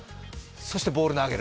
そしてボールを投げる。